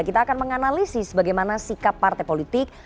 kita akan menganalisis bagaimana sikap partai politik